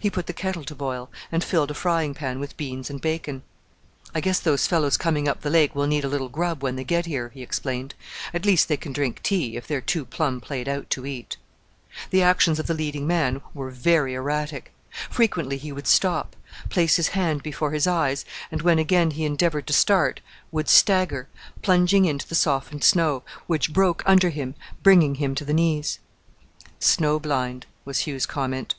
He put the kettle to boil, and filled a frying pan with beans and bacon. "I guess those fellows coming up the lake will need a little grub when they get here," he explained; "at least they can drink tea, if they are too plumb played out to eat." The actions of the leading man were very erratic. Frequently he would stop, place his hand before his eyes, and when again he endeavoured to start would stagger, plunging into the softened snow, which broke under him, bringing him to the knees. "Snow blind," was Hugh's comment.